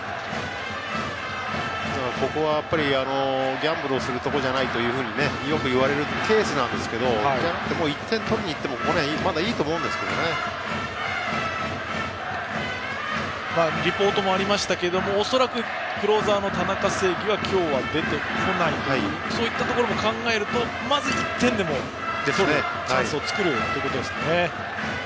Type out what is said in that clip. ここはやっぱりギャンブルするところじゃないとよく言われるケースなんですけどもう、１点を取りに行ってもリポートもありましたけど恐らくクローザーの田中正義は今日は出てこないというところも考えるとまず１点でも取るチャンスを作るということですね。